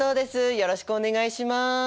よろしくお願いします。